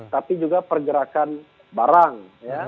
tapi juga pergerakan barang